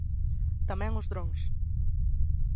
Tamén os drons.